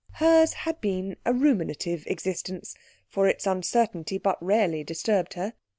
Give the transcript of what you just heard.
Hers had been a ruminative existence, for its uncertainty but rarely disturbed her.